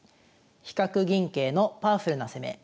「飛角銀桂のパワフルな攻め」。